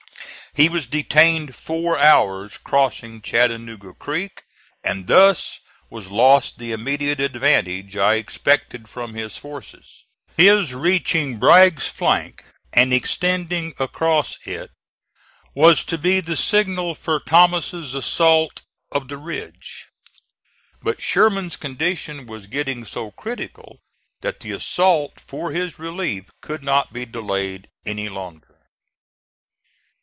He was detained four hours crossing Chattanooga Creek, and thus was lost the immediate advantage I expected from his forces. His reaching Bragg's flank and extending across it was to be the signal for Thomas's assault of the ridge. But Sherman's condition was getting so critical that the assault for his relief could not be delayed any longer.